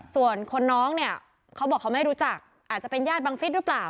ส่วนคนน้องเนี่ยเขาบอกเขาไม่รู้จักอาจจะเป็นญาติบังฟิศหรือเปล่า